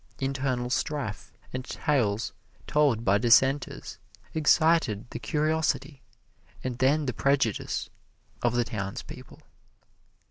Internal strife and tales told by dissenters excited the curiosity, and then the prejudice, of the townspeople.